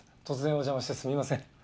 突然お邪魔してすみません。